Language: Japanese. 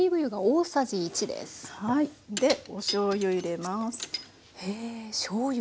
でおしょうゆ入れます。